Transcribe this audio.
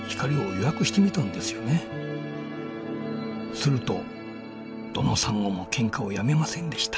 するとどのサンゴもけんかをやめませんでした。